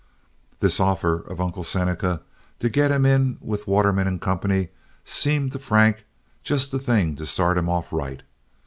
This offer of Uncle Seneca to get him in with Waterman & Company seemed to Frank just the thing to start him off right.